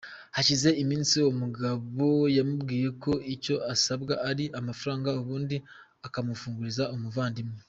Hashize iminsi uwo mugabo yamubwiye ko icyo asabwa ari amafaranga ubundi akamufunguriza umuvandimwe.